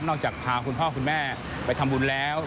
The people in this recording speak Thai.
จากพาคุณพ่อคุณแม่ไปทำบุญแล้ว